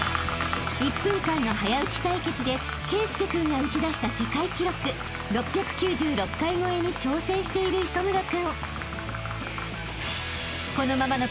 ［１分間の早打ち対決で圭佑君が打ち出した世界記録６９６回超えに挑戦している磯村君］